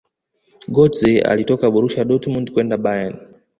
gotze alitoka borusia dortmund kwenda bayern